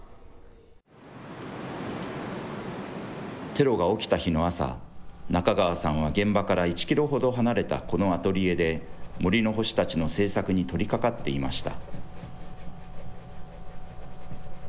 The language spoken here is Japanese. テロが起きた日の朝、中川さんは現場から１キロほど離れたこのアトリエで、森の星たちの制作に取りかかっていました。